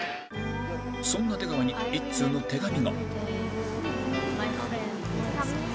そんな出川に１通の手紙が